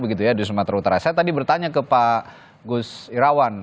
saya tadi bertanya ke pak gus wirawan